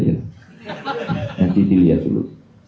ya nanti kita lihat dulu